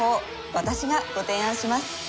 私がご提案します